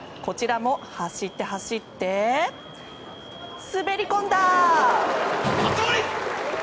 こちらも走って走って滑り込んだ！